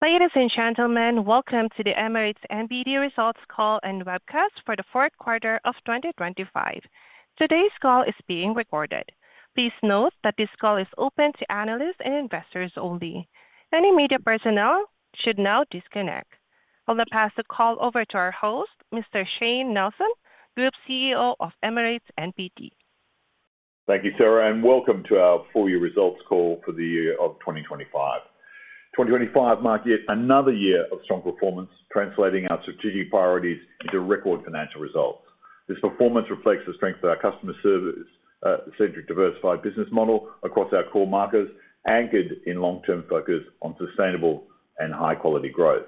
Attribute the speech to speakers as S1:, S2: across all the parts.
S1: Ladies and gentlemen, welcome to the Emirates NBD results call and webcast for the fourth quarter of 2025. Today's call is being recorded. Please note that this call is open to analysts and investors only. Any media personnel should now disconnect. I'll now pass the call over to our host, Mr. Shayne Nelson, Group CEO of Emirates NBD.
S2: Thank you, Sara, and welcome to our full-year results call for the year of 2025. 2025 marked yet another year of strong performance, translating our strategic priorities into record financial results. This performance reflects the strength of our customer service-centric, diversified business model across our core markets, anchored in long-term focus on sustainable and high-quality growth.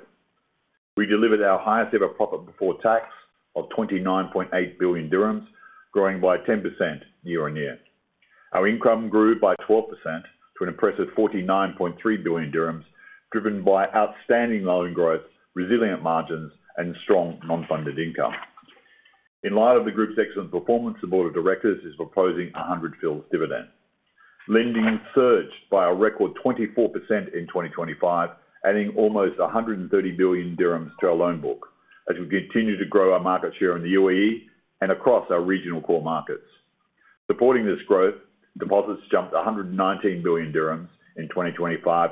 S2: We delivered our highest-ever profit before tax of 29.8 billion dirhams, growing by 10% year-on-year. Our income grew by 12% to an impressive 49.3 billion dirhams, driven by outstanding loan growth, resilient margins, and strong non-funded income. In light of the Group's excellent performance, the Board of Directors is proposing a AED 1.00 dividend. Lending surged by a record 24% in 2025, adding almost 130 billion dirhams to our loan book as we continue to grow our market share in the UAE and across our regional core markets. Supporting this growth, deposits jumped 119 billion dirhams in 2025,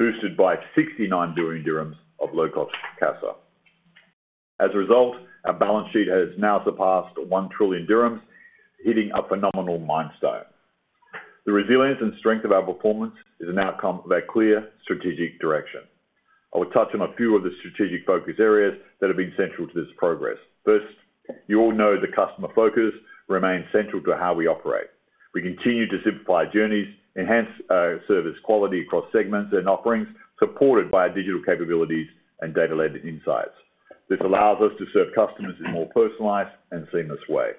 S2: boosted by 69 billion dirhams of low-cost cash. As a result, our balance sheet has now surpassed 1 trillion dirhams, hitting a phenomenal milestone. The resilience and strength of our performance is an outcome of our clear strategic direction. I will touch on a few of the strategic focus areas that have been central to this progress. First, you all know that customer focus remains central to how we operate. We continue to simplify journeys, enhance our service quality across segments and offerings, supported by our digital capabilities and data-led insights. This allows us to serve customers in a more personalized and seamless way.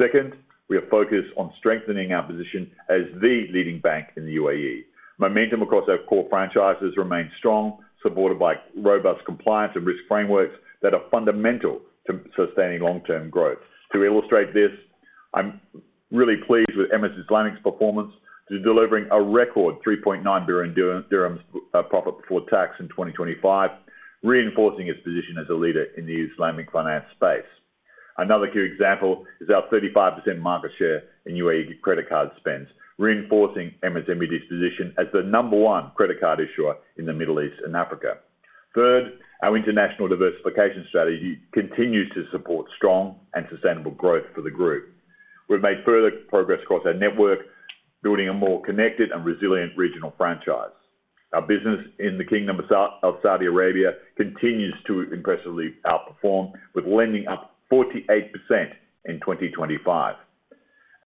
S2: Second, we are focused on strengthening our position as the leading bank in the UAE. Momentum across our core franchises remains strong, supported by robust compliance and risk frameworks that are fundamental to sustaining long-term growth. To illustrate this, I'm really pleased with Emirates Islamic performance to delivering a record 3.9 billion dirhams of profit before tax in 2025, reinforcing its position as a leader in the Islamic finance space. Another key example is our 35% market share in UAE credit card spends, reinforcing Emirates NBD's position as the number one credit card issuer in the Middle East and Africa. Third, our international diversification strategy continues to support strong and sustainable growth for the Group. We've made further progress across our network, building a more connected and resilient regional franchise. Our business in the Kingdom of Saudi Arabia continues to impressively outperform, with lending up 48% in 2025.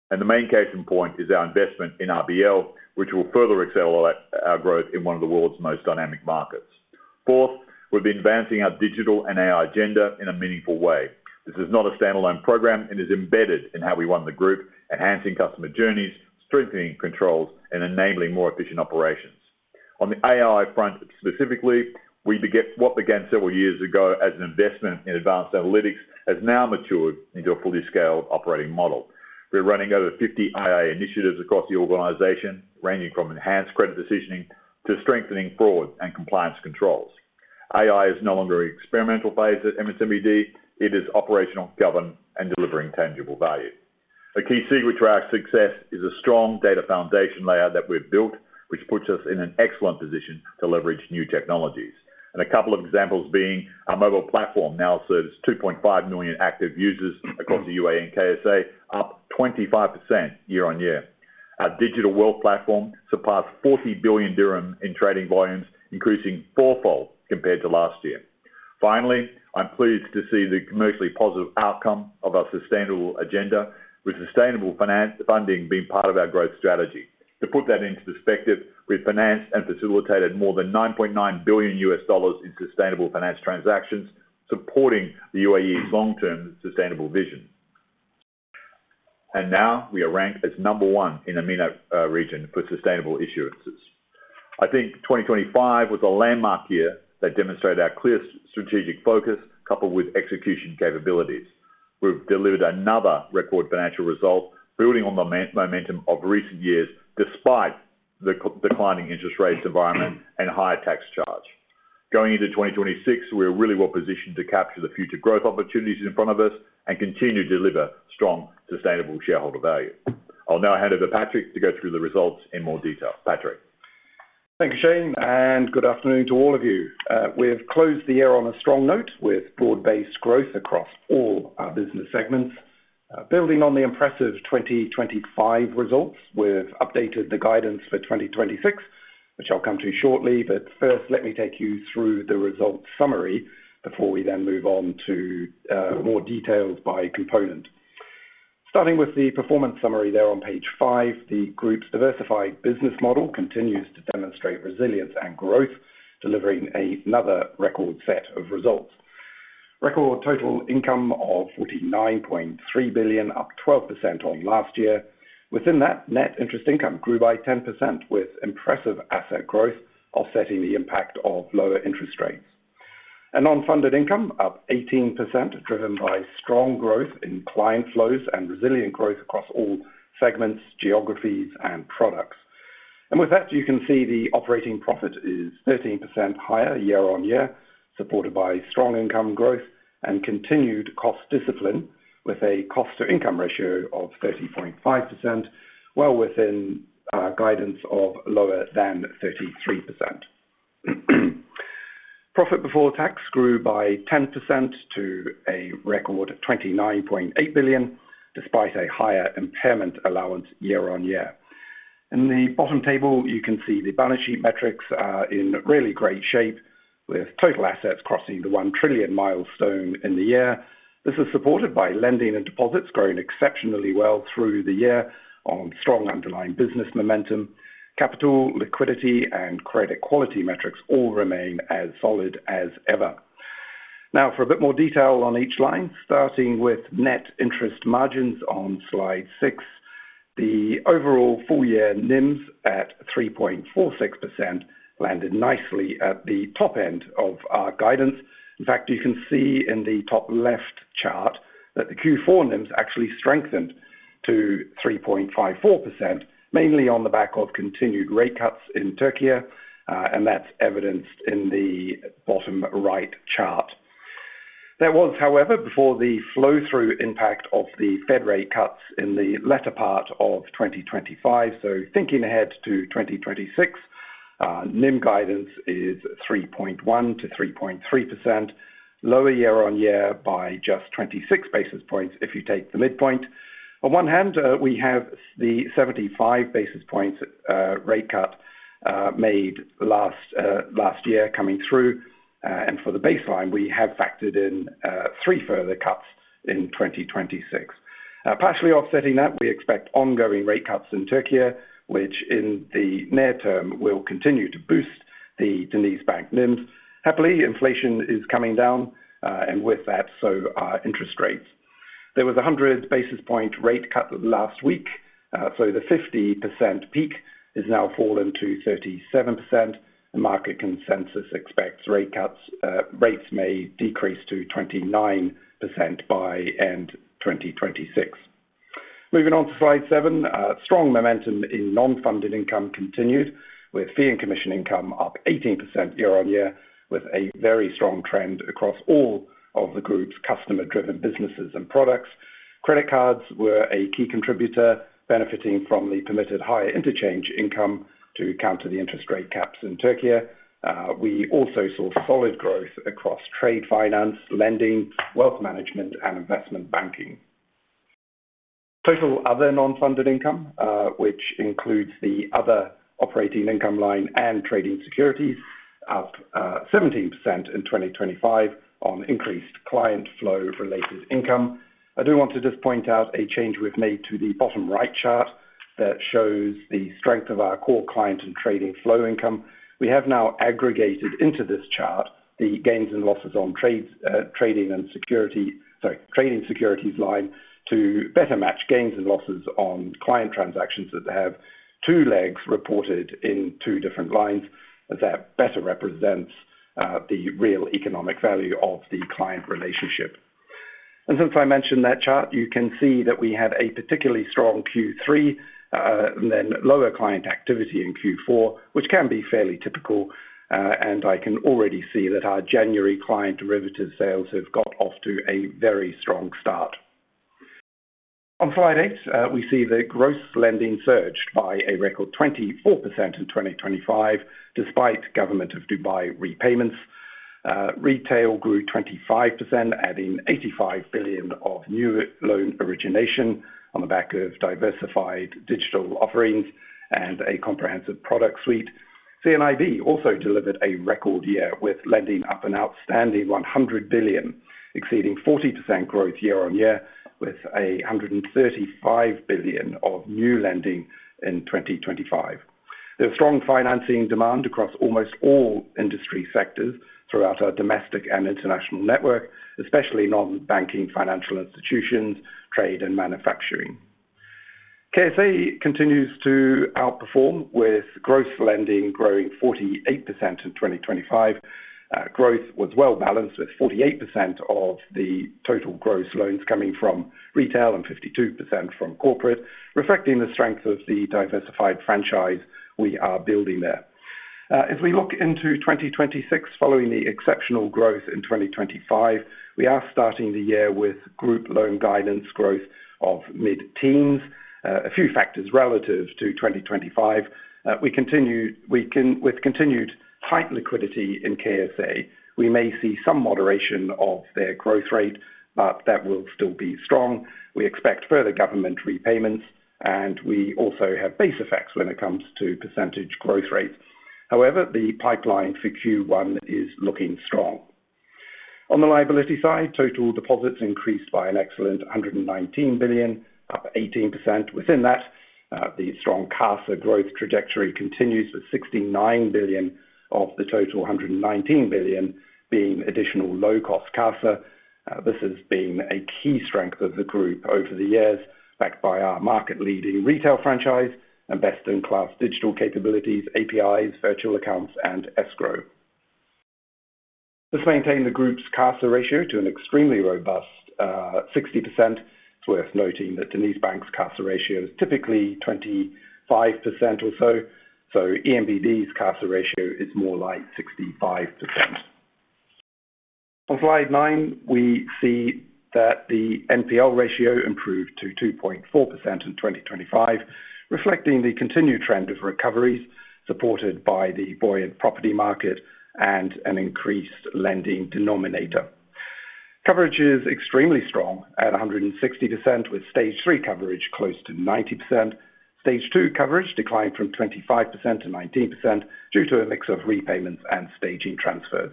S2: And the main case in point is our investment in RBL, which will further accelerate our growth in one of the world's most dynamic markets. Fourth, we've been advancing our digital and AI agenda in a meaningful way. This is not a standalone program. It is embedded in how we run the Group, enhancing customer journeys, strengthening controls, and enabling more efficient operations. On the AI front specifically, what began several years ago as an investment in advanced analytics has now matured into a fully scaled operating model. We're running over 50 AI initiatives across the organization, ranging from enhanced credit decisioning to strengthening fraud and compliance controls. AI is no longer in the experimental phase at Emirates NBD. It is operational, governed, and delivering tangible value. A key secret to our success is a strong data foundation layer that we've built, which puts us in an excellent position to leverage new technologies. And a couple of examples being our mobile platform now serves 2.5 million active users across the UAE and KSA, up 25% year-on-year. Our digital wealth platform surpassed 40 billion dirham in trading volumes, increasing fourfold compared to last year. Finally, I'm pleased to see the commercially positive outcome of our sustainable agenda, with sustainable funding being part of our growth strategy. To put that into perspective, we've financed and facilitated more than $9.9 billion in sustainable finance transactions, supporting the UAE's long-term sustainable vision. Now we are ranked as number one in the MENA region for sustainable issuances. I think 2025 was a landmark year that demonstrated our clear strategic focus, coupled with execution capabilities. We've delivered another record financial result, building on the momentum of recent years despite the declining interest rates environment and higher tax charge. Going into 2026, we are really well positioned to capture the future growth opportunities in front of us and continue to deliver strong sustainable shareholder value. I'll now hand over to Patrick to go through the results in more detail. Patrick.
S3: Thank you, Shayne, and good afternoon to all of you. We have closed the year on a strong note with broad-based growth across all our business segments. Building on the impressive 2025 results, we've updated the guidance for 2026, which I'll come to shortly. But first, let me take you through the results summary before we then move on to more details by component. Starting with the performance summary there on page five, the Group's diversified business model continues to demonstrate resilience and growth, delivering another record set of results. Record total income of 49.3 billion, up 12% on last year. Within that, net interest income grew by 10% with impressive asset growth, offsetting the impact of lower interest rates. And non-funded income, up 18%, driven by strong growth in client flows and resilient growth across all segments, geographies, and products. With that, you can see the operating profit is 13% higher year-on-year, supported by strong income growth and continued cost discipline, with a cost-to-income ratio of 30.5%, well within our guidance of lower than 33%. Profit before tax grew by 10% to a record 29.8 billion, despite a higher impairment allowance year-on-year. In the bottom table, you can see the balance sheet metrics are in really great shape, with total assets crossing the 1 trillion milestone in the year. This is supported by lending and deposits growing exceptionally well through the year on strong underlying business momentum. Capital, liquidity, and credit quality metrics all remain as solid as ever. Now, for a bit more detail on each line, starting with net interest margins on slide six, the overall full-year NIMs at 3.46% landed nicely at the top end of our guidance. In fact, you can see in the top left chart that the Q4 NIMs actually strengthened to 3.54%, mainly on the back of continued rate cuts in Türkiye, and that's evidenced in the bottom right chart. That was, however, before the flow-through impact of the Fed rate cuts in the latter part of 2025. So thinking ahead to 2026, NIM guidance is 3.1%-3.3%, lower year-on-year by just 26 basis points if you take the midpoint. On one hand, we have the 75 basis points rate cut made last year coming through, and for the baseline, we have factored in three further cuts in 2026. Partially offsetting that, we expect ongoing rate cuts in Türkiye, which in the near term will continue to boost the DenizBank NIMs. Happily, inflation is coming down, and with that so are interest rates. There was a 100 basis point rate cut last week, so the 50% peak has now fallen to 37%, and market consensus expects rates may decrease to 29% by end 2026. Moving on to slide seven, strong momentum in non-funded income continued, with fee and commission income up 18% year-over-year, with a very strong trend across all of the Group's customer-driven businesses and products. Credit cards were a key contributor, benefiting from the permitted higher interchange income to counter the interest rate caps in Türkiye. We also saw solid growth across trade finance, lending, wealth management, and investment banking. Total other non-funded income, which includes the other operating income line and trading securities, up 17% in 2025 on increased client flow-related income. I do want to just point out a change we've made to the bottom right chart that shows the strength of our core client and trading flow income. We have now aggregated into this chart the gains and losses on trading and security, sorry, trading securities line, to better match gains and losses on client transactions that have two legs reported in two different lines, as that better represents the real economic value of the client relationship. Since I mentioned that chart, you can see that we had a particularly strong Q3 and then lower client activity in Q4, which can be fairly typical, and I can already see that our January client derivatives sales have got off to a very strong start. On slide eight, we see that gross lending surged by a record 24% in 2025, despite government of Dubai repayments. Retail grew 25%, adding 85 billion of new loan origination on the back of diversified digital offerings and a comprehensive product suite. C&IB also delivered a record year with lending up an outstanding 100 billion, exceeding 40% growth year-on-year, with 135 billion of new lending in 2025. There was strong financing demand across almost all industry sectors throughout our domestic and international network, especially non-banking financial institutions, trade, and manufacturing. KSA continues to outperform, with gross lending growing 48% in 2025. Growth was well balanced, with 48% of the total gross loans coming from retail and 52% from corporate, reflecting the strength of the diversified franchise we are building there. As we look into 2026, following the exceptional growth in 2025, we are starting the year with Group loan guidance growth of mid-teens, a few factors relative to 2025. We continue with continued tight liquidity in KSA. We may see some moderation of their growth rate, but that will still be strong. We expect further government repayments, and we also have base effects when it comes to percentage growth rates. However, the pipeline for Q1 is looking strong. On the liability side, total deposits increased by an excellent 119 billion, up 18%. Within that, the strong CASA growth trajectory continues, with 69 billion of the total 119 billion being additional low-cost CASA. This has been a key strength of the Group over the years, backed by our market-leading retail franchise and best-in-class digital capabilities, APIs, virtual accounts, and escrow. This maintained the Group's CASA ratio to an extremely robust 60%. It's worth noting that DenizBank's CASA ratio is typically 25% or so, so ENBD's CASA ratio is more like 65%. On slide nine, we see that the NPL ratio improved to 2.4% in 2025, reflecting the continued trend of recoveries supported by the buoyant property market and an increased lending denominator. Coverage is extremely strong at 160%, with stage three coverage close to 90%. Stage 2 coverage declined from 25% to 19% due to a mix of repayments and staging transfers.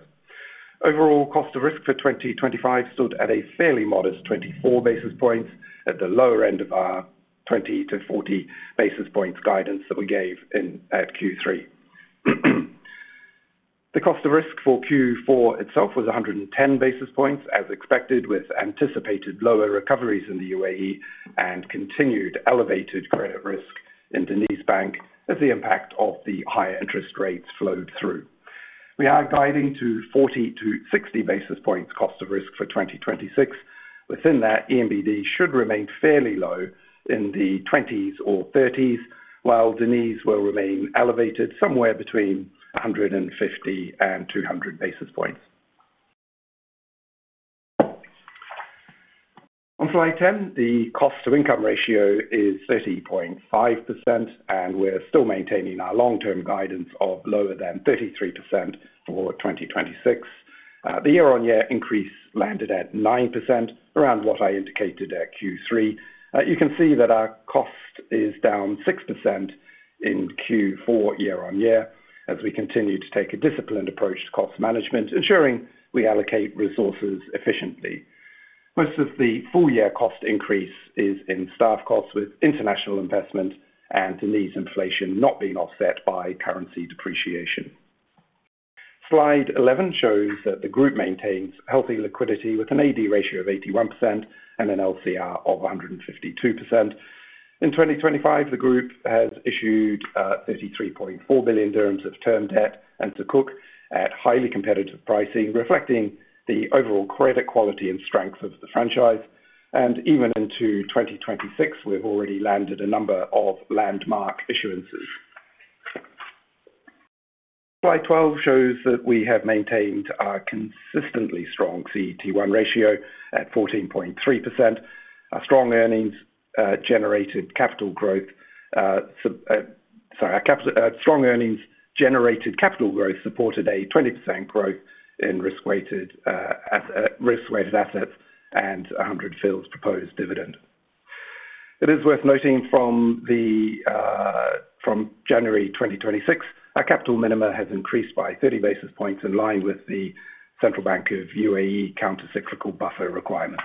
S3: Overall, cost of risk for 2025 stood at a fairly modest 24 basis points at the lower end of our 20 basis points-40 basis points guidance that we gave at Q3. The cost of risk for Q4 itself was 110 basis points, as expected, with anticipated lower recoveries in the UAE and continued elevated credit risk in DenizBank as the impact of the higher interest rates flowed through. We are guiding to 40 basis points-60 basis points cost of risk for 2026. Within that, Emirates NBD should remain fairly low in the 20s or 30s, while Deniz will remain elevated somewhere between 150 basis points and 200 basis points. On slide 10, the cost-to-income ratio is 30.5%, and we're still maintaining our long-term guidance of lower than 33% for 2026. The year-on-year increase landed at 9%, around what I indicated at Q3. You can see that our cost is down 6% in Q4 year-on-year as we continue to take a disciplined approach to cost management, ensuring we allocate resources efficiently. Most of the full-year cost increase is in staff costs, with international investment and Deniz inflation not being offset by currency depreciation. Slide 11 shows that the Group maintains healthy liquidity with an AD ratio of 81% and an LCR of 152%. In 2025, the Group has issued 33.4 billion dirhams of term debt and sukuk at highly competitive pricing, reflecting the overall credit quality and strength of the franchise. Even into 2026, we've already landed a number of landmark issuances. Slide 12 shows that we have maintained our consistently strong CET1 ratio at 14.3%. Our strong earnings generated capital growth, sorry, our strong earnings generated capital growth supported a 20% growth in risk-weighted assets and 100 fils proposed dividend. It is worth noting from January 2026, our capital minima has increased by 30 basis points in line with the Central Bank of UAE countercyclical buffer requirements.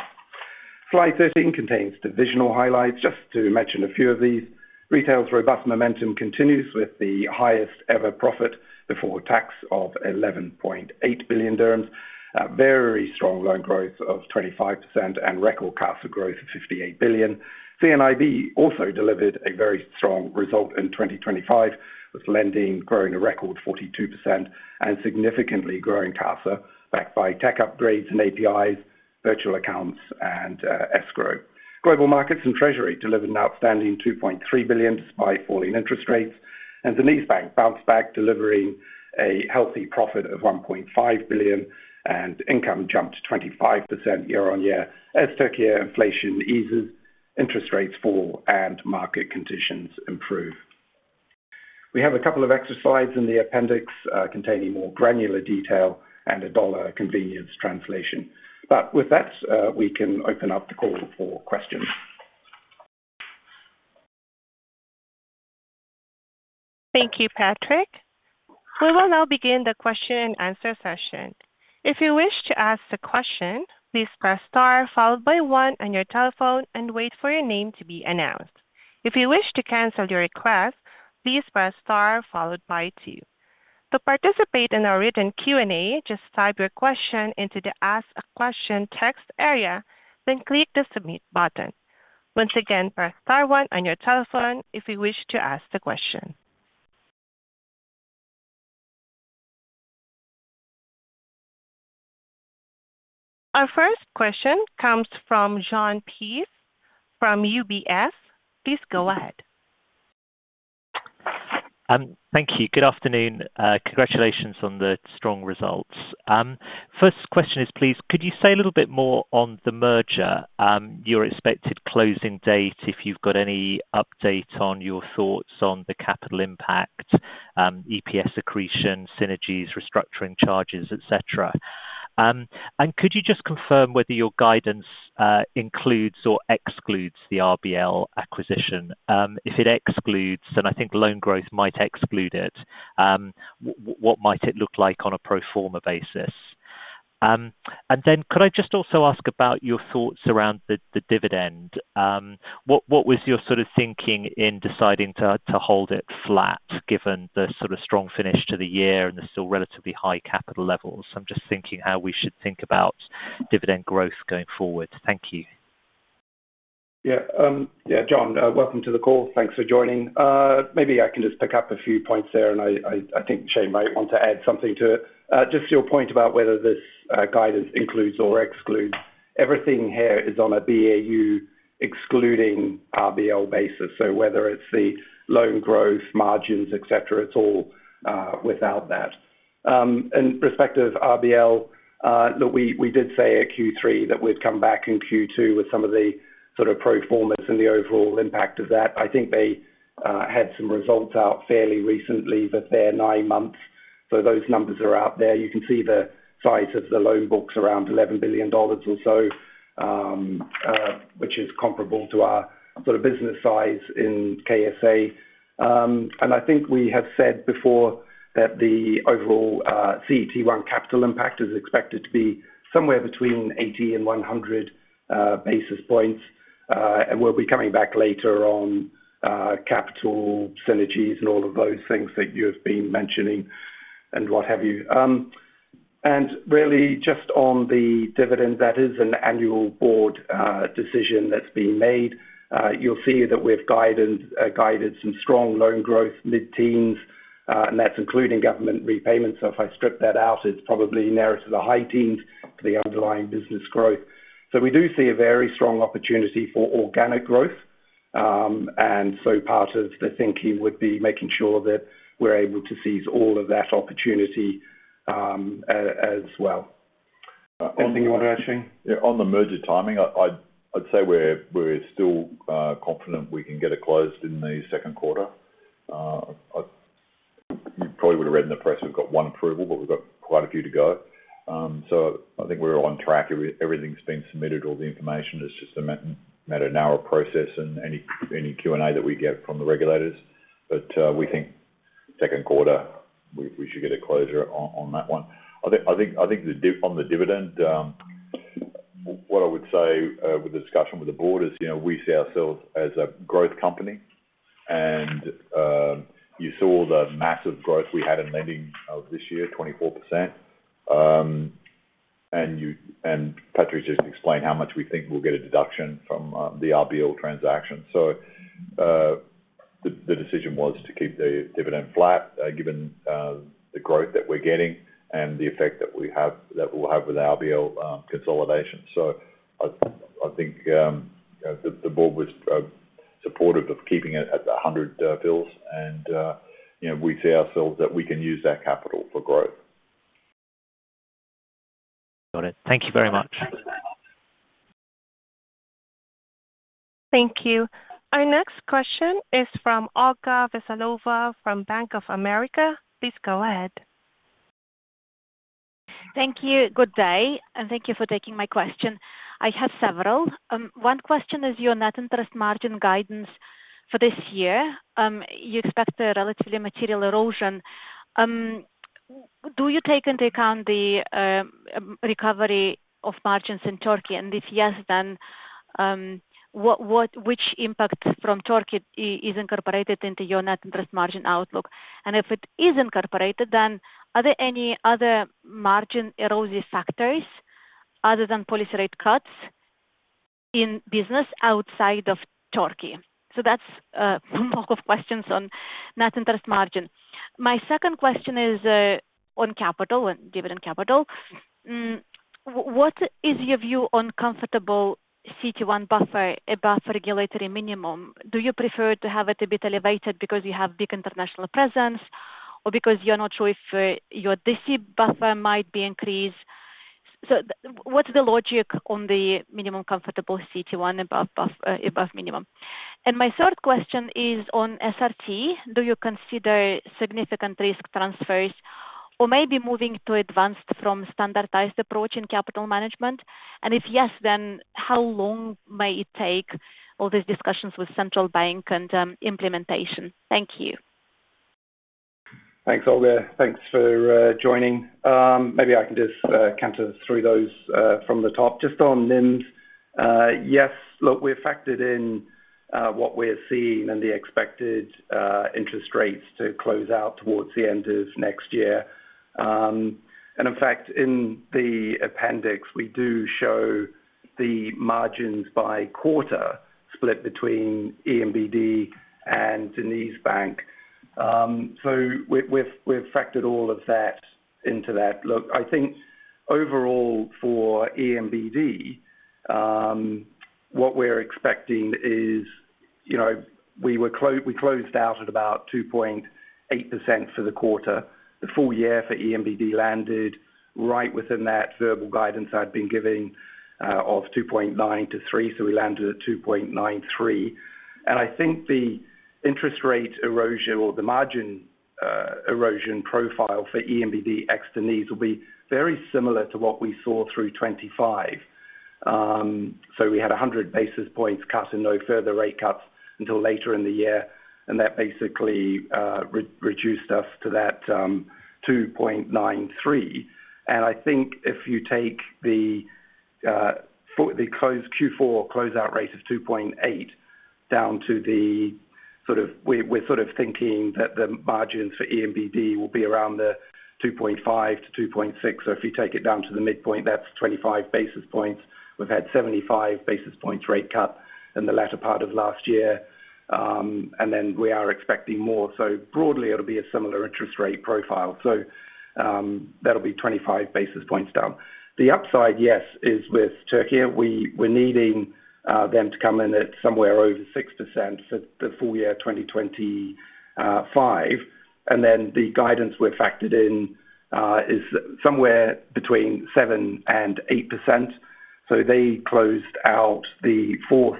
S3: Slide 13 contains divisional highlights. Just to mention a few of these, retail's robust momentum continues with the highest ever profit before tax of 11.8 billion dirhams, a very strong loan growth of 25%, and record CASA growth of 58 billion. C&IB also delivered a very strong result in 2025, with lending growing a record 42% and significantly growing CASA, backed by tech upgrades and APIs, virtual accounts, and escrow. Global markets and treasury delivered an outstanding 2.3 billion despite falling interest rates, and DenizBank bounced back, delivering a healthy profit of 1.5 billion, and income jumped 25% year-on-year as Türkiye inflation eases, interest rates fall, and market conditions improve. We have a couple of exhibits in the appendix containing more granular detail and a dollar convenience translation. With that, we can open up the call for questions.
S1: Thank you, Patrick. We will now begin the question-and-answer session. If you wish to ask a question, please press star followed by one on your telephone and wait for your name to be announced. If you wish to cancel your request, please press star followed by two. To participate in our written Q&A, just type your question into the Ask a Question text area, then click the Submit button. Once again, press star one on your telephone if you wish to ask the question. Our first question comes from Jon Peace from UBS. Please go ahead.
S4: Thank you. Good afternoon. Congratulations on the strong results. First question is, please, could you say a little bit more on the merger, your expected closing date, if you've got any update on your thoughts on the capital impact, EPS accretion, synergies, restructuring charges, etc.? And could you just confirm whether your guidance includes or excludes the RBL acquisition? If it excludes, then I think loan growth might exclude it. What might it look like on a pro forma basis? And then could I just also ask about your thoughts around the dividend? What was your sort of thinking in deciding to hold it flat, given the sort of strong finish to the year and the still relatively high capital levels? I'm just thinking how we should think about dividend growth going forward. Thank you.
S3: Yeah. Yeah, Jon, welcome to the call. Thanks for joining. Maybe I can just pick up a few points there, and I think Shayne might want to add something to it. Just to your point about whether this guidance includes or excludes, everything here is on a BAU excluding RBL basis. So whether it's the loan growth, margins, etc., it's all without that. In respect of RBL, look, we did say at Q3 that we'd come back in Q2 with some of the sort of pro formas and the overall impact of that. I think they had some results out fairly recently for their nine months, so those numbers are out there. You can see the size of the loan books around $11 billion or so, which is comparable to our sort of business size in KSA. I think we have said before that the overall CET1 capital impact is expected to be somewhere between 80 basis points and 100 basis points, and we'll be coming back later on capital synergies and all of those things that you have been mentioning and what have you. Really, just on the dividend, that is an annual Board decision that's being made. You'll see that we've guided some strong loan growth mid-teens, and that's including government repayments. So if I strip that out, it's probably narrow to the high teens for the underlying business growth. We do see a very strong opportunity for organic growth, and so part of the thinking would be making sure that we're able to seize all of that opportunity as well. Anything you want to add, Shayne?
S2: Yeah. On the merger timing, I'd say we're still confident we can get it closed in the second quarter. You probably would have read in the press we've got one approval, but we've got quite a few to go. So I think we're on track. Everything's been submitted. All the information is just a matter of now of process and any Q&A that we get from the regulators. But we think second quarter, we should get a closure on that one. I think on the dividend, what I would say with the discussion with the Board is we see ourselves as a growth company. And you saw the massive growth we had in lending this year, 24%. And Patrick just explained how much we think we'll get a deduction from the RBL transaction. The decision was to keep the dividend flat, given the growth that we're getting and the effect that we will have with the RBL consolidation. I think the Board was supportive of keeping it at 100 fils, and we see ourselves that we can use that capital for growth.
S4: Got it. Thank you very much.
S1: Thank you. Our next question is from Olga Veselova from Bank of America. Please go ahead.
S5: Thank you. Good day, and thank you for taking my question. I have several. One question is your net interest margin guidance for this year. You expect a relatively material erosion. Do you take into account the recovery of margins in Türkiye? And if yes, then which impact from Türkiye is incorporated into your net interest margin outlook? And if it is incorporated, then are there any other margin erosive factors other than policy rate cuts in business outside of Türkiye? So that's a bulk of questions on net interest margin. My second question is on capital, on dividend capital. What is your view on comfortable CET1 buffer, above regulatory minimum? Do you prefer to have it a bit elevated because you have big international presence or because you're not sure if your CC buffer might be increased? So what's the logic on the minimum comfortable CET1 above minimum? My third question is on SRT. Do you consider significant risk transfers or maybe moving to advanced from standardized approach in capital management? If yes, then how long may it take all these discussions with Central Bank and implementation? Thank you.
S3: Thanks, Olga. Thanks for joining. Maybe I can just run through those from the top. Just on NIM, yes, look, we've factored in what we're seeing and the expected interest rates to close out towards the end of next year. And in fact, in the appendix, we do show the margins by quarter split between ENBD and DenizBank. So we've factored all of that into that. Look, I think overall for ENBD, what we're expecting is we closed out at about 2.8% for the quarter. The full year for ENBD landed right within that verbal guidance I'd been giving of 2.9%-3%, so we landed at 2.93%. And I think the interest rate erosion or the margin erosion profile for ENBD x Deniz will be very similar to what we saw through 2025. So we had 100 basis points cut and no further rate cuts until later in the year, and that basically reduced us to that 2.93%. And I think if you take the closed Q4 closeout rate of 2.8% down to the sort of we're sort of thinking that the margins for ENBD will be around the 2.5%-2.6%. So if you take it down to the midpoint, that's 25 basis points. We've had 75 basis points rate cut in the latter part of last year, and then we are expecting more. So broadly, it'll be a similar interest rate profile. So that'll be 25 basis points down. The upside, yes, is with Türkiye. We're needing them to come in at somewhere over 6% for the full year 2025. And then the guidance we're factored in is somewhere between 7% and 8%. They closed out the fourth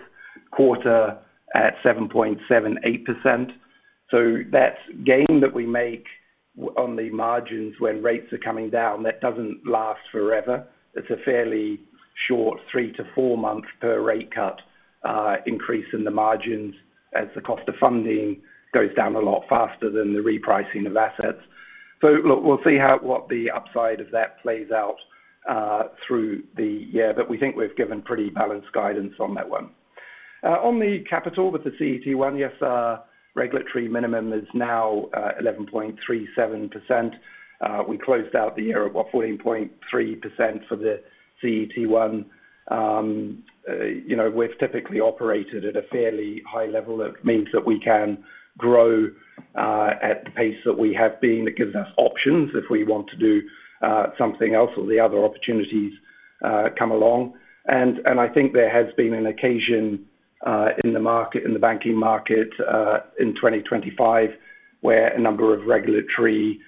S3: quarter at 7.78%. So that gain that we make on the margins when rates are coming down, that doesn't last forever. It's a fairly short 3 month-4-month per rate cut increase in the margins as the cost of funding goes down a lot faster than the repricing of assets. So look, we'll see what the upside of that plays out through the year, but we think we've given pretty balanced guidance on that one. On the capital with the CET1, yes, our regulatory minimum is now 11.37%. We closed out the year at what, 14.3% for the CET1. We've typically operated at a fairly high level. That means that we can grow at the pace that we have been. It gives us options if we want to do something else or the other opportunities come along. I think there has been an occasion in the market, in the banking market in 2025, where a number of regulatory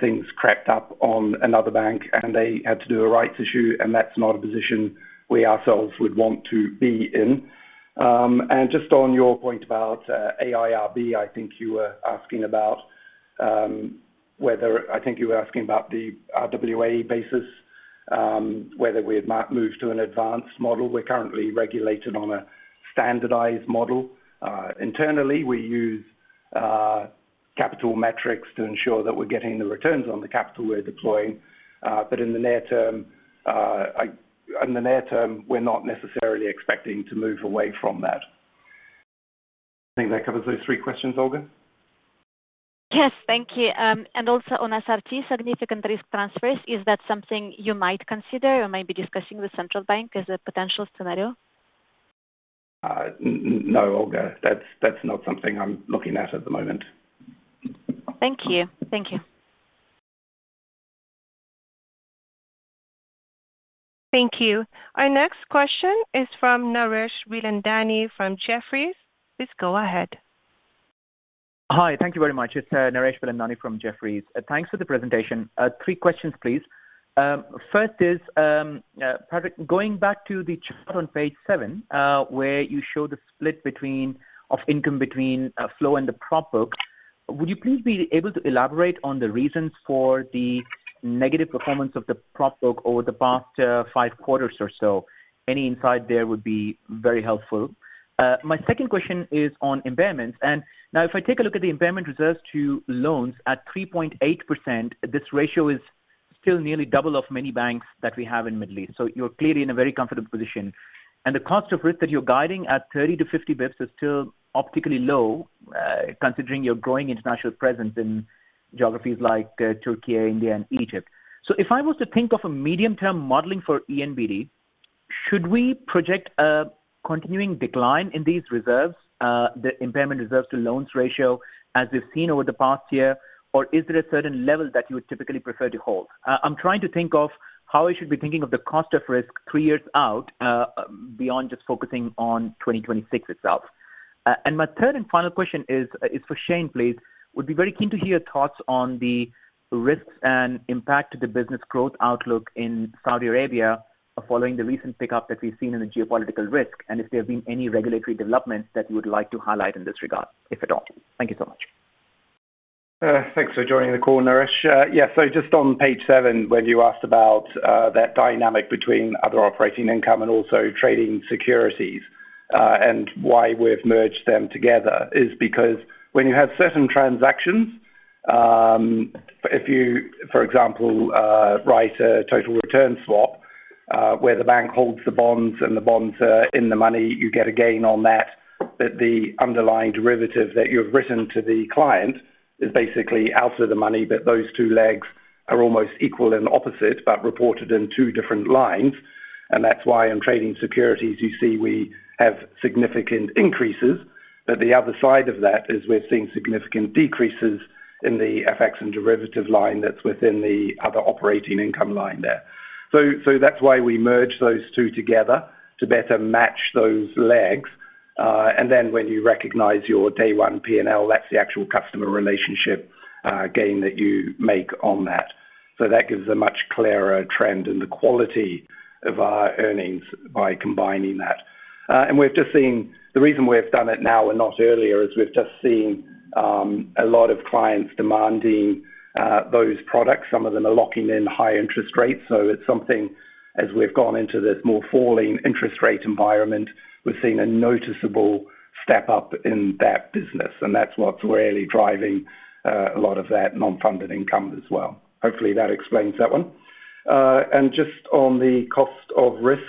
S3: things crept up on another bank, and they had to do a rights issue, and that's not a position we ourselves would want to be in. And just on your point about AIRB, I think you were asking about whether I think you were asking about the RWA basis, whether we've moved to an advanced model. We're currently regulated on a standardized model. Internally, we use capital metrics to ensure that we're getting the returns on the capital we're deploying. But in the near term, in the near term, we're not necessarily expecting to move away from that. I think that covers those three questions, Olga.
S5: Yes, thank you. And also on SRT, significant risk transfers, is that something you might consider or maybe discussing with Central Bank as a potential scenario?
S3: No, Olga. That's not something I'm looking at at the moment.
S5: Thank you. Thank you.
S1: Thank you. Our next question is from Naresh Bilandani from Jefferies. Please go ahead.
S6: Hi, thank you very much. It's Naresh Bilandani from Jefferies. Thanks for the presentation. Three questions, please. First is, Patrick, going back to the chart on page seven where you show the split of income between flow and the prop book, would you please be able to elaborate on the reasons for the negative performance of the prop book over the past five quarters or so? Any insight there would be very helpful. My second question is on impairments. Now, if I take a look at the impairment reserves to loans at 3.8%, this ratio is still nearly double of many banks that we have in the Middle East. You're clearly in a very comfortable position. And the cost of risk that you're guiding at 30 basis points-50 basis points is still optically low, considering your growing international presence in geographies like Türkiye, India, and Egypt. If I was to think of a medium-term modeling for ENBD, should we project a continuing decline in these reserves, the impairment reserves to loans ratio as we've seen over the past year, or is there a certain level that you would typically prefer to hold? I'm trying to think of how I should be thinking of the cost of risk three years out beyond just focusing on 2026 itself. My third and final question is for Shayne, please. Would be very keen to hear your thoughts on the risks and impact to the business growth outlook in Saudi Arabia following the recent pickup that we've seen in the geopolitical risk, and if there have been any regulatory developments that you would like to highlight in this regard, if at all. Thank you so much.
S3: Thanks for joining the call, Naresh. Yeah, so just on page seven, when you asked about that dynamic between other operating income and also trading securities and why we've merged them together, is because when you have certain transactions, if you, for example, write a total return swap where the bank holds the bonds and the bonds are in the money, you get a gain on that. But the underlying derivative that you've written to the client is basically out of the money, but those two legs are almost equal and opposite but reported in two different lines. And that's why in trading securities, you see we have significant increases. But the other side of that is we've seen significant decreases in the FX and derivative line that's within the other operating income line there. So that's why we merge those two together to better match those legs. And then when you recognize your day one P&L, that's the actual customer relationship gain that you make on that. So that gives a much clearer trend in the quality of our earnings by combining that. And we've just seen the reason we've done it now and not earlier is we've just seen a lot of clients demanding those products. Some of them are locking in high interest rates. So it's something, as we've gone into this more falling interest rate environment, we've seen a noticeable step up in that business, and that's what's really driving a lot of that non-funded income as well. Hopefully, that explains that one. And just on the cost of risk,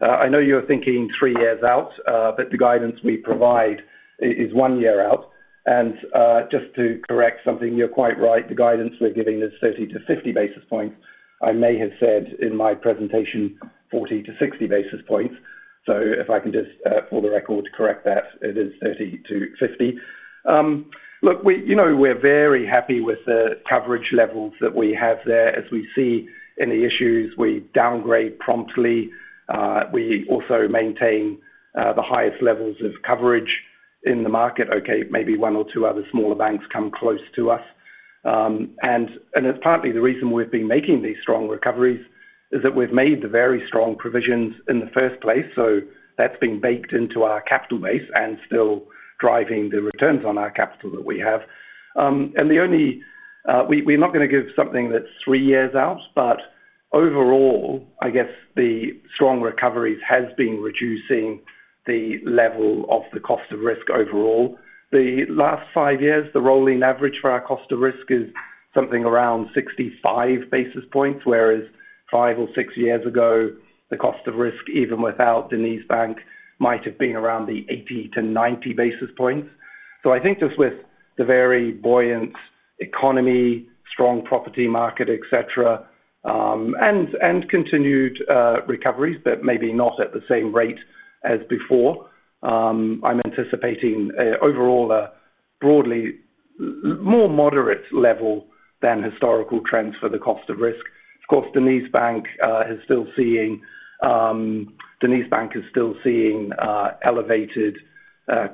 S3: I know you're thinking three years out, but the guidance we provide is one year out. And just to correct something, you're quite right. The guidance we're giving is 30 basis points-50 basis points. I may have said in my presentation 40 basis points-60 basis points. So if I can just, for the record, correct that, it is 30 basis points-50 basis points. Look, we're very happy with the coverage levels that we have there. As we see any issues, we downgrade promptly. We also maintain the highest levels of coverage in the market. Okay, maybe one or two other smaller banks come close to us. And partly the reason we've been making these strong recoveries is that we've made the very strong provisions in the first place. So that's been baked into our capital base and still driving the returns on our capital that we have. And we're not going to give something that's three years out, but overall, I guess the strong recoveries have been reducing the level of the cost of risk overall. The last 5 years, the rolling average for our cost of risk is something around 65 basis points, whereas 5 years or 6 years ago, the cost of risk, even without DenizBank, might have been around the 80 basis points-90 basis points. So I think just with the very buoyant economy, strong property market, etc., and continued recoveries, but maybe not at the same rate as before, I'm anticipating overall a broadly more moderate level than historical trends for the cost of risk. Of course, DenizBank is still seeing elevated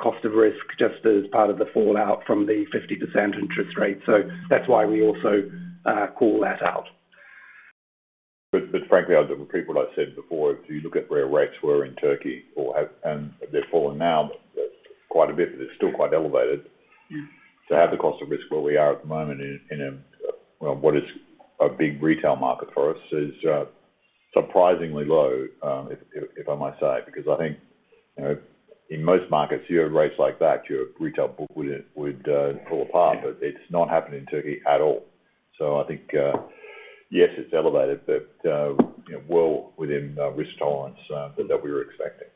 S3: cost of risk just as part of the fallout from the 50% interest rate. So that's why we also call that out.
S2: But frankly, I'll double-check what I said before. If you look at where rates were in Türkiye and they're falling now quite a bit, but they're still quite elevated, to have the cost of risk where we are at the moment in what is a big retail market for us is surprisingly low, if I may say, because I think in most markets, you have rates like that, your retail book would pull apart, but it's not happening in Türkiye at all. So I think, yes, it's elevated, but well within risk tolerance that we were expecting.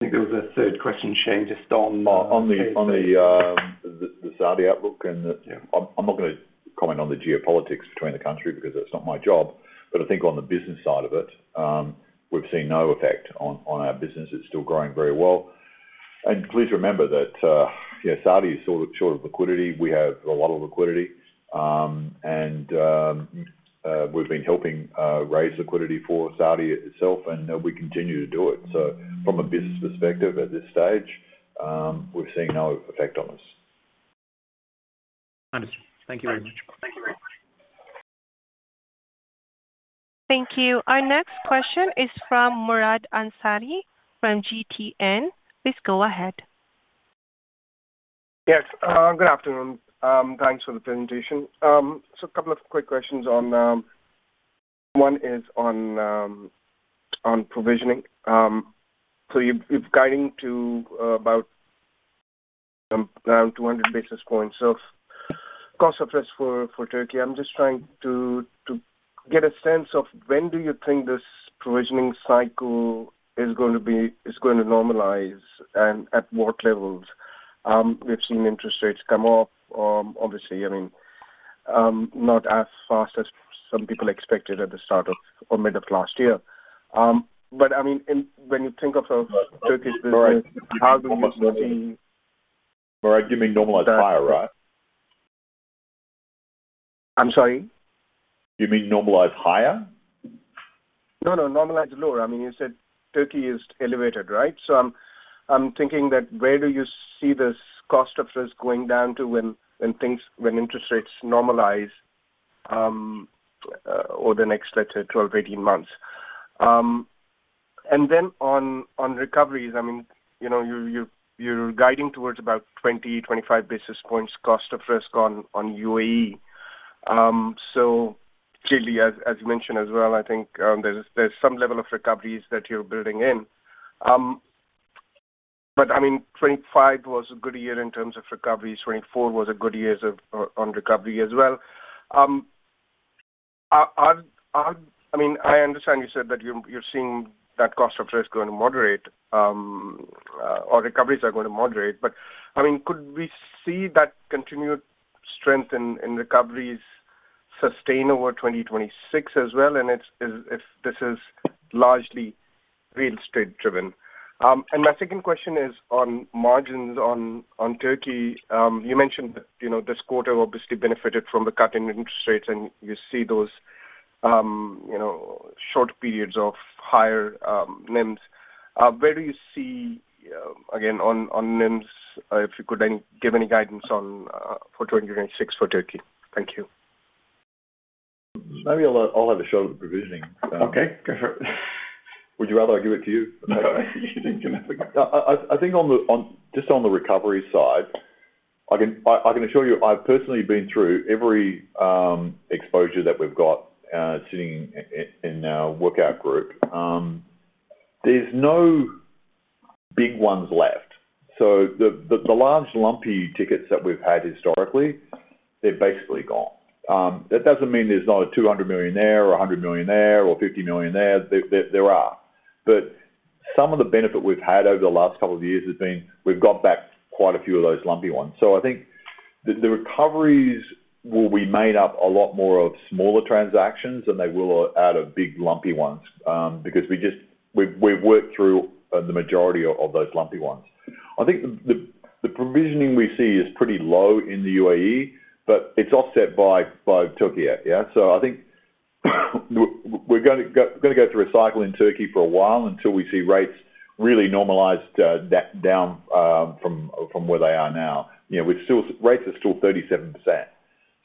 S3: I think there was a third question, Shayne, just on.
S2: On the Saudi outlook, and I'm not going to comment on the geopolitics between the country because that's not my job, but I think on the business side of it, we've seen no effect on our business. It's still growing very well. Please remember that Saudi is short of liquidity. We have a lot of liquidity, and we've been helping raise liquidity for Saudi itself, and we continue to do it. From a business perspective at this stage, we've seen no effect on us.
S6: Understood. Thank you very much.
S1: Thank you. Our next question is from Murad Ansari from GTN. Please go ahead.
S7: Yes. Good afternoon. Thanks for the presentation. A couple of quick questions. One is on provisioning. You've guiding to about around 200 basis points of cost of risk for Türkiye. I'm just trying to get a sense of when do you think this provisioning cycle is going to normalize and at what levels? We've seen interest rates come off, obviously. I mean, not as fast as some people expected at the start of or mid of last year. But I mean, when you think of Türkiye's business, how do you see?
S2: Murad, you mean normalize higher, right?
S7: I'm sorry?
S2: You mean normalize higher?
S7: No, no, normalize lower. I mean, you said Türkiye is elevated, right? So I'm thinking that where do you see this cost of risk going down to when interest rates normalize over the next, let's say, 12 months-18 months? And then on recoveries, I mean, you're guiding towards about 20 basis points-25 basis points cost of risk on UAE. So clearly, as you mentioned as well, I think there's some level of recoveries that you're building in. But I mean, 2025 was a good year in terms of recoveries. 2024 was a good year on recovery as well. I mean, I understand you said that you're seeing that cost of risk going to moderate or recoveries are going to moderate. But I mean, could we see that continued strength in recoveries sustain over 2026 as well? And if this is largely real estate-driven? My second question is on margins on Türkiye. You mentioned this quarter obviously benefited from the cut in interest rates, and you see those short periods of higher NIMS. Where do you see, again, on NIMS, if you could give any guidance for 2026 for Türkiye? Thank you.
S2: Maybe I'll have a shot at the provisioning.
S7: Okay. Go for it.
S2: Would you rather I give it to you?
S3: You can have a go.
S2: I think just on the recovery side, I can assure you I've personally been through every exposure that we've got sitting in our workout group. There's no big ones left. So the large lumpy tickets that we've had historically, they're basically gone. That doesn't mean there's not a 200 million or 100 million or 50 million. There are. But some of the benefit we've had over the last couple of years has been we've got back quite a few of those lumpy ones. So I think the recoveries will be made up a lot more of smaller transactions, and they won't be big lumpy ones because we've worked through the majority of those lumpy ones. I think the provisioning we see is pretty low in the UAE, but it's offset by Türkiye. Yeah? So I think we're going to go through a cycle in Türkiye for a while until we see rates really normalize down from where they are now. Rates are still 37%.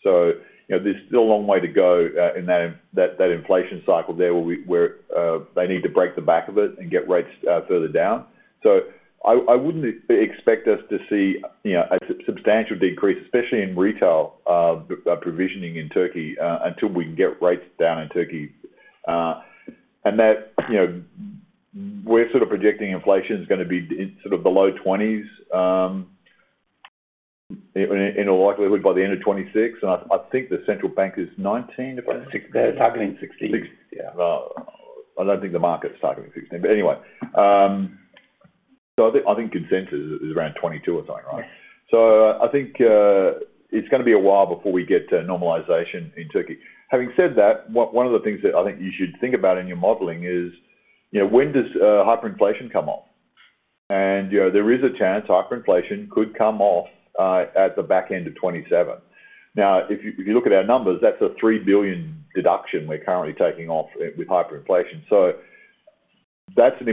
S2: So there's still a long way to go in that inflation cycle there where they need to break the back of it and get rates further down. So I wouldn't expect us to see a substantial decrease, especially in retail provisioning in Türkiye, until we can get rates down in Türkiye. And we're sort of projecting inflation is going to be sort of below 20s in all likelihood by the end of 2026. And I think the Central Bank is 19, if I remember.
S7: They're targeting 16.
S2: 16.
S7: Yeah.
S2: Well, I don't think the market's targeting 16. But anyway, so I think consensus is around 22 or something, right? So I think it's going to be a while before we get to normalization in Türkiye. Having said that, one of the things that I think you should think about in your modeling is when does hyperinflation come off? And there is a chance hyperinflation could come off at the back end of 2027. Now, if you look at our numbers, that's a 3 billion deduction we're currently taking off with hyperinflation. So that's an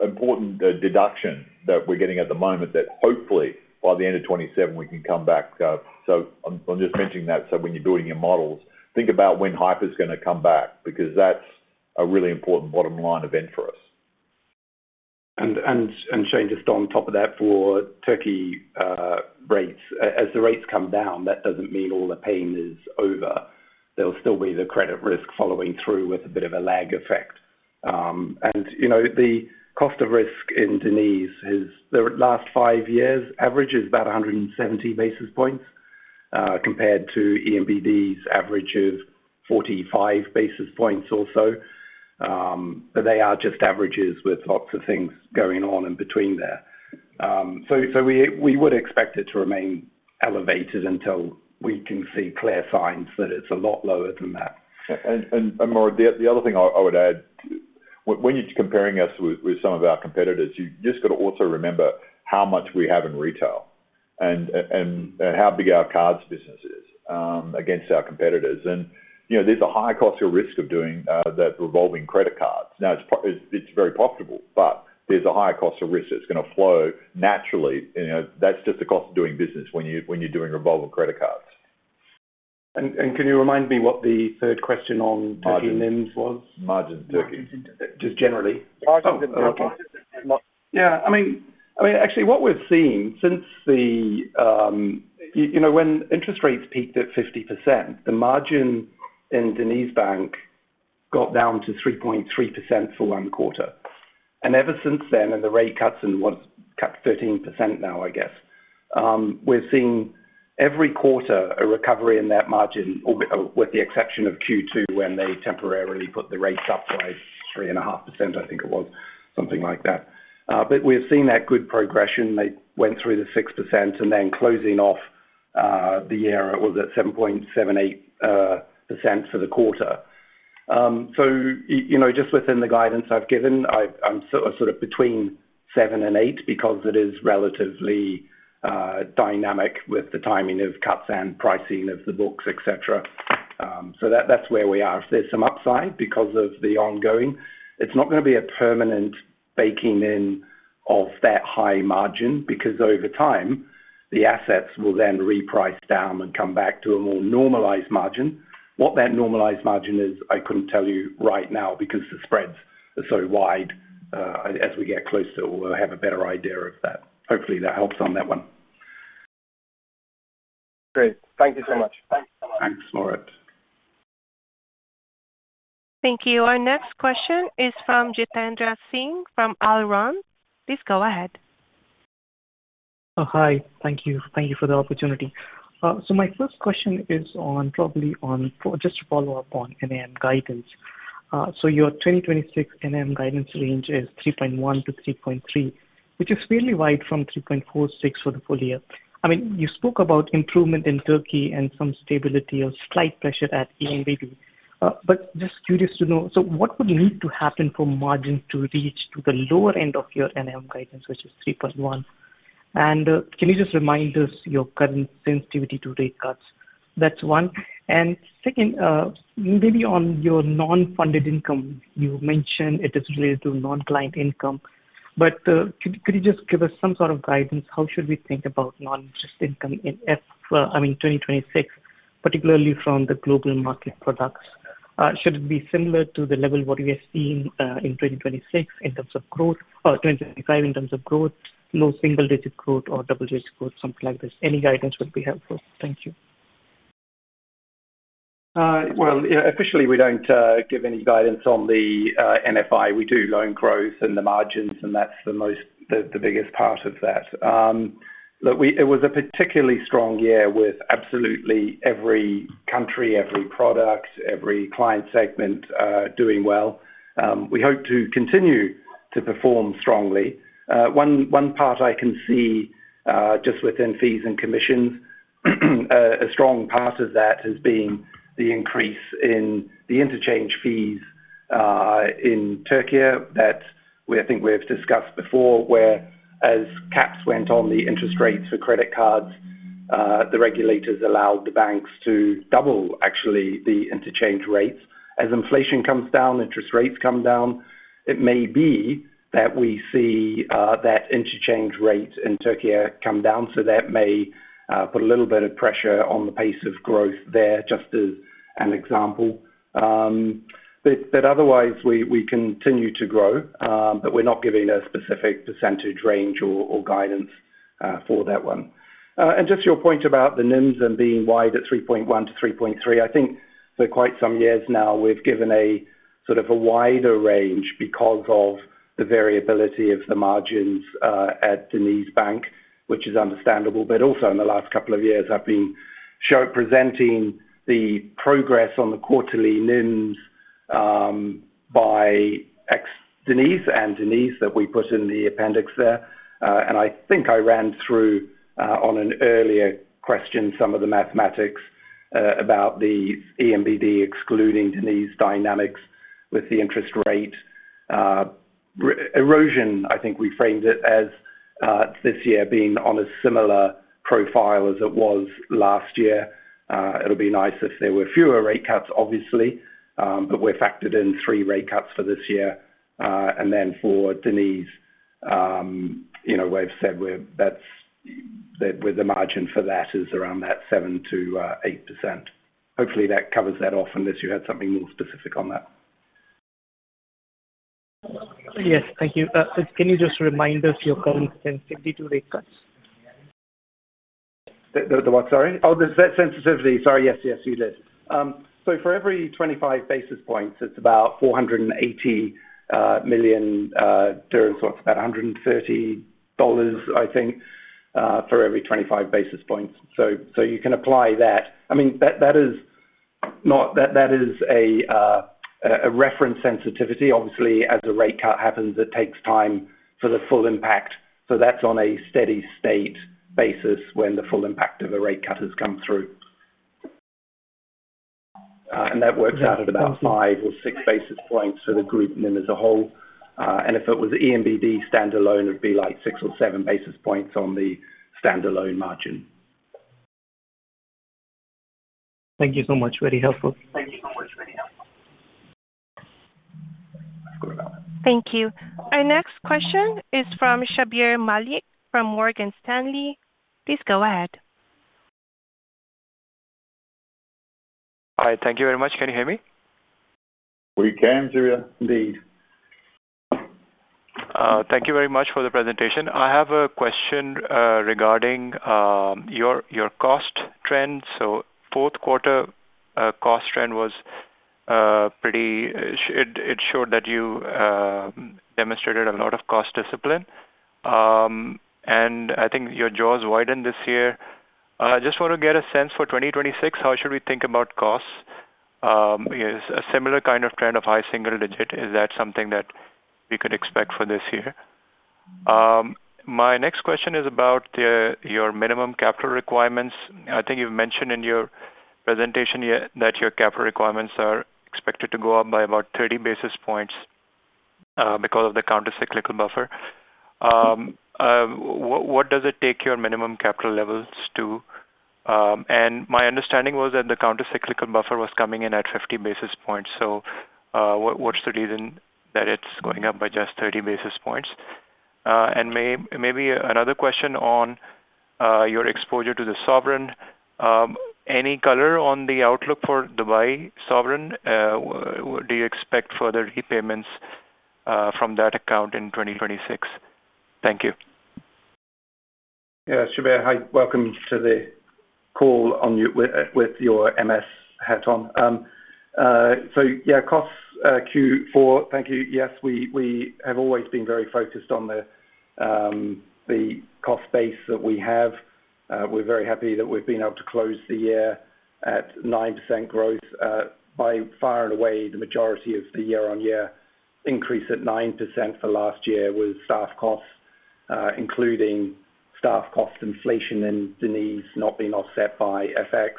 S2: important deduction that we're getting at the moment that hopefully by the end of 2027, we can come back. So I'm just mentioning that so when you're building your models, think about when hype is going to come back because that's a really important bottom line event for us.
S3: Shayne, just on top of that for Türkiye rates, as the rates come down, that doesn't mean all the pain is over. There'll still be the credit risk following through with a bit of a lag effect. The cost of risk in Deniz, the last five years' average is about 170 basis points compared to ENBD's average of 45 basis points or so. But they are just averages with lots of things going on in between there. So we would expect it to remain elevated until we can see clear signs that it's a lot lower than that.
S2: Murad, the other thing I would add, when you're comparing us with some of our competitors, you've just got to also remember how much we have in retail and how big our cards business is against our competitors. There's a higher cost of risk of doing that revolving credit cards. Now, it's very profitable, but there's a higher cost of risk that's going to flow naturally. That's just the cost of doing business when you're doing revolving credit cards.
S3: Can you remind me what the third question on Türkiye NIMS was?
S2: Margin in Türkiye.
S7: Just generally.
S2: Margin in Türkiye.
S3: Yeah. I mean, actually, what we've seen since the when interest rates peaked at 50%, the margin in DenizBank got down to 3.3% for one quarter. And ever since then, and the rate cuts cut 13% now, I guess, we've seen every quarter a recovery in that margin, with the exception of Q2 when they temporarily put the rates up by 3.5%, I think it was, something like that. But we've seen that good progression. They went through the 6% and then closing off the year, it was at 7.78% for the quarter. So just within the guidance I've given, I'm sort of between 7% and 8% because it is relatively dynamic with the timing of cuts and pricing of the books, etc. So that's where we are. There's some upside because of the ongoing. It's not going to be a permanent baking in of that high margin because over time, the assets will then reprice down and come back to a more normalized margin. What that normalized margin is, I couldn't tell you right now because the spreads are so wide. As we get closer, we'll have a better idea of that. Hopefully, that helps on that one.
S7: Great. Thank you so much.
S2: Thanks, Murad.
S1: Thank you. Our next question is from Jitendra Singh from Arqaam. Please go ahead.
S8: Hi. Thank you for the opportunity. So my first question is probably just to follow up on NIM guidance. So your 2026 NIM guidance range is 3.1-3.3, which is fairly wide from 3.46 for the full year. I mean, you spoke about improvement in Türkiye and some stability or slight pressure at Emirates NBD. But just curious to know, so what would need to happen for margin to reach the lower end of your NIM guidance, which is 3.1? And can you just remind us your current sensitivity to rate cuts? That's one. And second, maybe on your non-funded income, you mentioned it is related to non-client income. But could you just give us some sort of guidance? How should we think about non-interest income in, I mean, 2026, particularly from the global market products? Should it be similar to the level what we have seen in 2026 in terms of growth, or 2025 in terms of growth, no single-digit growth or double-digit growth, something like this? Any guidance would be helpful. Thank you.
S3: Well, officially, we don't give any guidance on the NFI. We do loan growth and the margins, and that's the biggest part of that. It was a particularly strong year with absolutely every country, every product, every client segment doing well. We hope to continue to perform strongly. One part I can see just within fees and commissions, a strong part of that has been the increase in the interchange fees in Türkiye that I think we've discussed before, where as caps went on the interest rates for credit cards, the regulators allowed the banks to double actually the interchange rates. As inflation comes down, interest rates come down. It may be that we see that interchange rate in Türkiye come down. So that may put a little bit of pressure on the pace of growth there, just as an example. But otherwise, we continue to grow, but we're not giving a specific percentage range or guidance for that one. And just your point about the NIMS and being wide at 3.1%-3.3%, I think for quite some years now, we've given a sort of a wider range because of the variability of the margins at DenizBank, which is understandable. But also in the last couple of years, I've been presenting the progress on the quarterly NIMS by Deniz and Deniz that we put in the appendix there. And I think I ran through on an earlier question some of the mathematics about the ENBD excluding Deniz dynamics with the interest rate erosion. I think we framed it as this year being on a similar profile as it was last year. It'll be nice if there were fewer rate cuts, obviously. But we've factored in 3 rate cuts for this year. And then for Deniz, we've said that the margin for that is around that 7%-8%. Hopefully, that covers that off unless you had something more specific on that.
S8: Yes, thank you. Can you just remind us your current sensitivity to rate cuts?
S3: The what? Sorry. Oh, the sensitivity. Sorry. Yes, yes, you did. So for every 25 basis points, it's about 480 million dirhams, so it's about $130 million, I think, for every 25 basis points. So you can apply that. I mean, that is a reference sensitivity. Obviously, as a rate cut happens, it takes time for the full impact. So that's on a steady state basis when the full impact of a rate cut has come through. And that works out at about five or six basis points for the group NIM as a whole. And if it was ENBD standalone, it'd be like six or seven basis points on the standalone margin.
S8: Thank you so much. Very helpful. Thank you so much. Very helpful.
S1: Thank you. Our next question is from Shabbir Malik from Morgan Stanley. Please go ahead.
S9: Hi. Thank you very much. Can you hear me?
S2: We can, Shabbir. Indeed.
S9: Thank you very much for the presentation. I have a question regarding your cost trend. So fourth quarter cost trend was pretty it showed that you demonstrated a lot of cost discipline. And I think your jaws widened this year. I just want to get a sense for 2026, how should we think about costs? A similar kind of trend of high single digit, is that something that we could expect for this year? My next question is about your minimum capital requirements. I think you've mentioned in your presentation that your capital requirements are expected to go up by about 30 basis points because of the countercyclical buffer. What does it take your minimum capital levels to? And my understanding was that the countercyclical buffer was coming in at 50 basis points. So what's the reason that it's going up by just 30 basis points? Maybe another question on your exposure to the sovereign. Any color on the outlook for Dubai sovereign? Do you expect further repayments from that account in 2026? Thank you.
S3: Yeah. Shabbir, hi. Welcome to the call with your MS hat on. So yeah, cost Q4, thank you. Yes, we have always been very focused on the cost base that we have. We're very happy that we've been able to close the year at 9% growth by far and away the majority of the year-on-year increase at 9% for last year with staff costs, including staff cost inflation in Deniz not being offset by FX,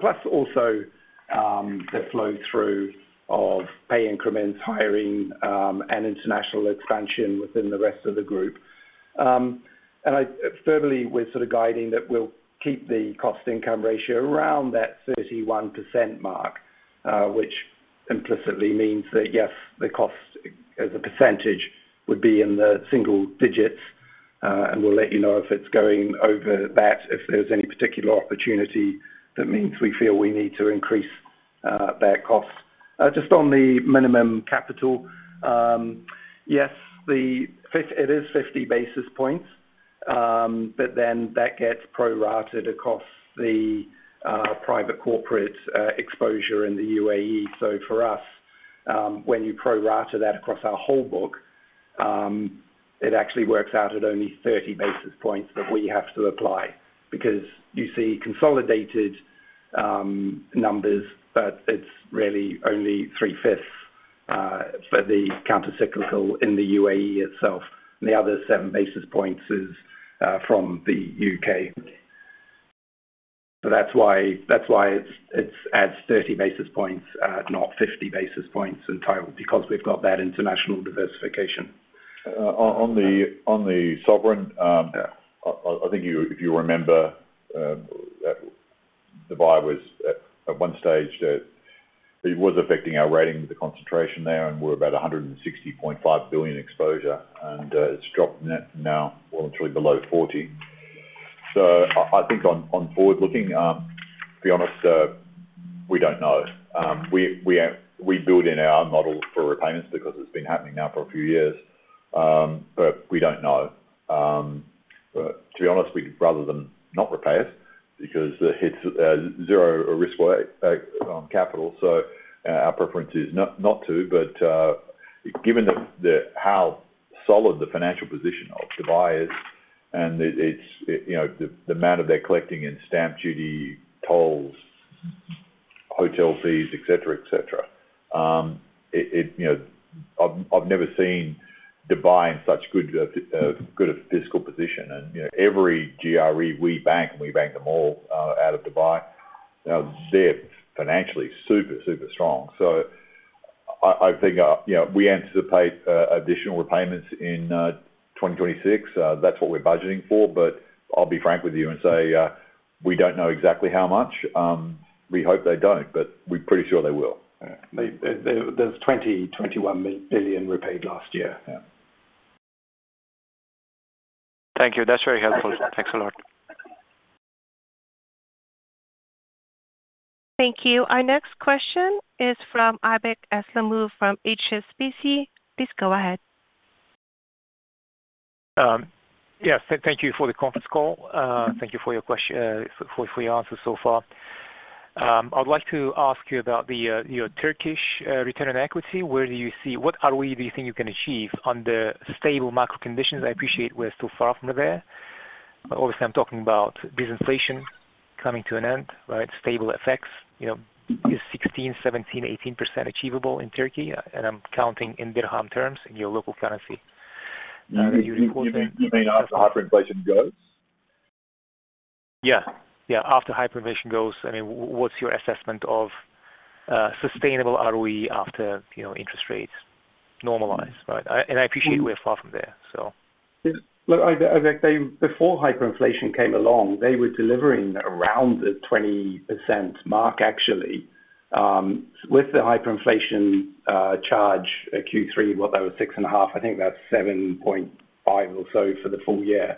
S3: plus also the flow-through of pay increments, hiring, and international expansion within the rest of the group. And I firmly was sort of guiding that we'll keep the cost-income ratio around that 31% mark, which implicitly means that, yes, the cost as a percentage would be in the single digits. And we'll let you know if it's going over that, if there's any particular opportunity that means we feel we need to increase that cost. Just on the minimum capital, yes, it is 50 basis points, but then that gets pro-rata across the private-corporate exposure in the UAE. So for us, when you pro-rata that across our whole book, it actually works out at only 30 basis points that we have to apply because you see consolidated numbers, but it's really only 3/5 for the countercyclical in the UAE itself. And the other 7 basis points is from the U.K. So that's why it adds 30 basis points, not 50 basis points in total because we've got that international diversification.
S2: On the sovereign, I think if you remember, Dubai was at one stage that it was affecting our rating with the concentration there, and we're about 160.5 billion exposure. And it's dropped now, well, it's really below 40 billion. So I think on forward-looking, to be honest, we don't know. We build in our model for repayments because it's been happening now for a few years, but we don't know. To be honest, we'd rather them not repay us because it's zero risk capital. So our preference is not to. But given how solid the financial position of Dubai is and the amount of their collecting in stamp duty, tolls, hotel fees, etc., etc., I've never seen Dubai in such good a fiscal position. And every GRE, we bank, and we bank them all out of Dubai. They're financially super, super strong. So I think we anticipate additional repayments in 2026. That's what we're budgeting for. But I'll be frank with you and say we don't know exactly how much. We hope they don't, but we're pretty sure they will.
S3: There's 20.21 billion repaid last year.
S9: Thank you. That's very helpful. Thanks a lot.
S1: Thank you. Our next question is from Aybek Islamov from HSBC. Please go ahead.
S10: Yes. Thank you for the conference call. Thank you for your answers so far. I'd like to ask you about your Turkish return on equity. Where do you see, what do you think you can achieve under stable macro conditions? I appreciate we're still far from there. Obviously, I'm talking about disinflation coming to an end, right? Stable FX. Is 16%, 17%, 18% achievable in Türkiye? And I'm counting in dirham terms in your local currency. Are you reporting?
S2: You mean after hyperinflation goes?
S10: Yeah. Yeah. After hyperinflation goes, I mean, what's your assessment of sustainable ROE after interest rates normalize, right? And I appreciate we're far from there, so.
S3: Look, as I say, before hyperinflation came along, they were delivering around the 20% mark, actually. With the hyperinflation charge Q3, what, that was 6.5%? I think that's 7.5% or so for the full year.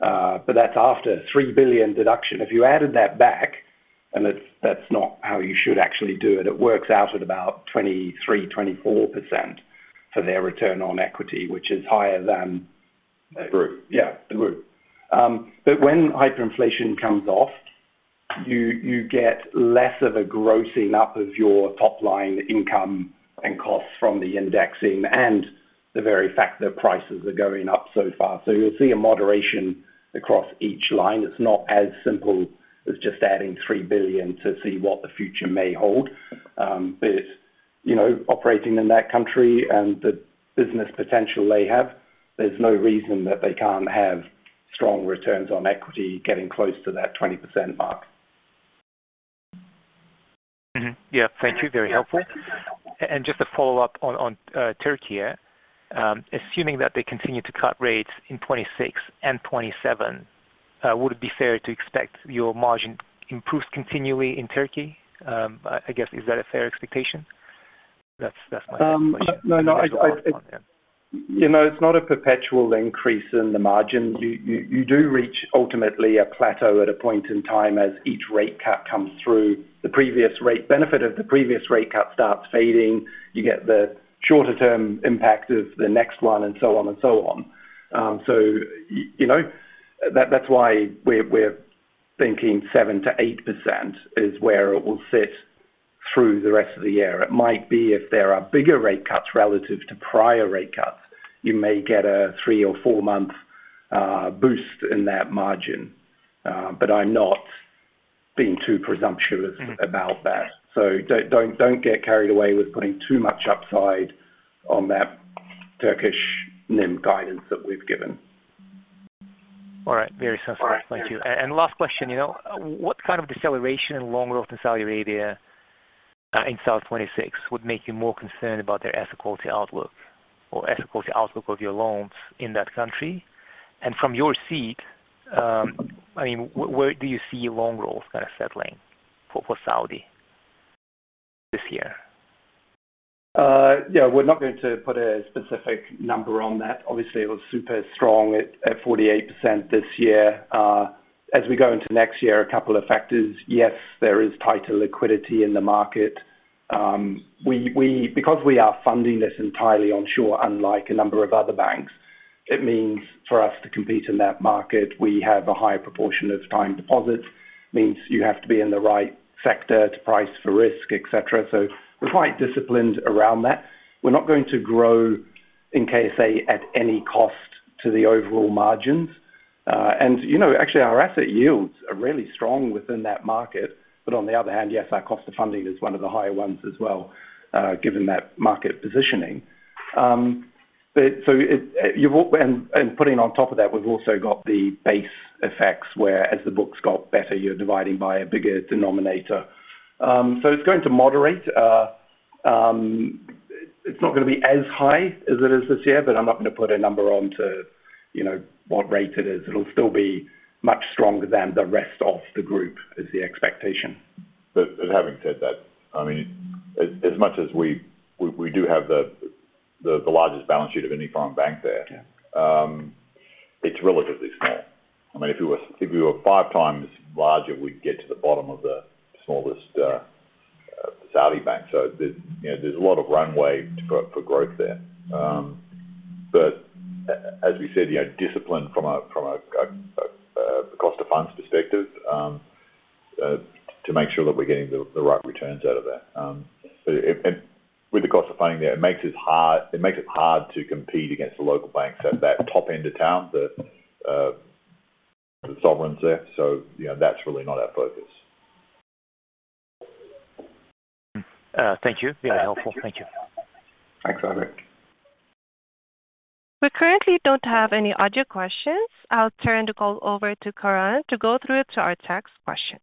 S3: But that's after 3 billion deduction. If you added that back, and that's not how you should actually do it, it works out at about 23%-24% for their return on equity, which is higher than.
S2: The roof.
S3: Yeah, the roof. But when hyperinflation comes off, you get less of a grossing up of your top-line income and costs from the indexing and the very fact that prices are going up so far. So you'll see a moderation across each line. It's not as simple as just adding 3 billion to see what the future may hold. But operating in that country and the business potential they have, there's no reason that they can't have strong returns on equity getting close to that 20% mark.
S10: Yeah. Thank you. Very helpful. Just to follow up on Türkiye, assuming that they continue to cut rates in 2026 and 2027, would it be fair to expect your margin improves continually in Türkiye? I guess, is that a fair expectation? That's my question.
S3: No, no. It's not a perpetual increase in the margin. You do reach ultimately a plateau at a point in time as each rate cap comes through. The previous rate benefit of the previous rate cap starts fading. You get the shorter-term impact of the next one and so on and so on. So that's why we're thinking 7%-8% is where it will sit through the rest of the year. It might be if there are bigger rate cuts relative to prior rate cuts, you may get a three- or four-month boost in that margin. But I'm not being too presumptuous about that. So don't get carried away with putting too much upside on that Turkish NIM guidance that we've given.
S10: All right. Very sensible. Thank you. And last question. What kind of deceleration in loan growth in Saudi Arabia in 2026 would make you more concerned about their asset quality outlook or asset quality outlook of your loans in that country? And from your seat, I mean, where do you see loan growth kind of settling for Saudi this year?
S3: Yeah. We're not going to put a specific number on that. Obviously, it was super strong at 48% this year. As we go into next year, a couple of factors. Yes, there is tighter liquidity in the market. Because we are funding this entirely onshore, unlike a number of other banks, it means for us to compete in that market, we have a higher proportion of time deposits. It means you have to be in the right sector to price for risk, etc. So we're quite disciplined around that. We're not going to grow in KSA at any cost to the overall margins. And actually, our asset yields are really strong within that market. But on the other hand, yes, our cost of funding is one of the higher ones as well, given that market positioning. Putting on top of that, we've also got the base effects where, as the books got better, you're dividing by a bigger denominator. It's going to moderate. It's not going to be as high as it is this year, but I'm not going to put a number on to what rate it is. It'll still be much stronger than the rest of the group is the expectation.
S2: But having said that, I mean, as much as we do have the largest balance sheet of any foreign bank there, it's relatively small. I mean, if it were 5x larger, we'd get to the bottom of the smallest Saudi bank. So there's a lot of runway for growth there. But as we said, discipline from a cost of funds perspective to make sure that we're getting the right returns out of that. And with the cost of funding there, it makes it hard to compete against the local banks at that top end of town, the sovereigns there. So that's really not our focus.
S10: Thank you. Very helpful. Thank you.
S2: Thanks, Aybek.
S1: We currently don't have any other questions. I'll turn the call over to Karan to go through it to our text question.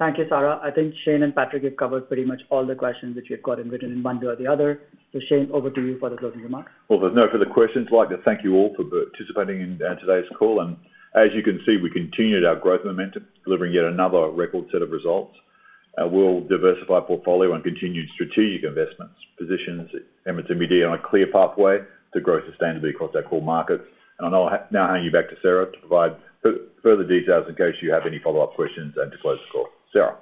S11: Thank you, Sara. I think Shayne and Patrick have covered pretty much all the questions which we've gotten written in one way or the other. So Shayne, over to you for the closing remarks.
S2: Well, there's no further questions. I'd like to thank you all for participating in today's call. As you can see, we continued our growth momentum, delivering yet another record set of results. We'll diversify portfolio and continue strategic investments. Positions Emirates NBD on a clear pathway to grow sustainably across our core markets. I'll now hand you back to Sara to provide further details in case you have any follow-up questions and to close the call. Sara.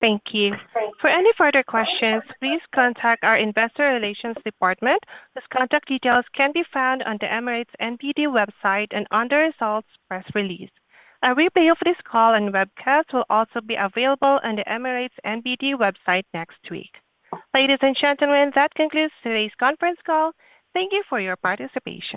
S1: Thank you. For any further questions, please contact our investor relations department. Those contact details can be found on the Emirates NBD website and on the results press release. A replay of this call and webcast will also be available on the Emirates NBD website next week. Ladies and gentlemen, that concludes today's conference call. Thank you for your participation.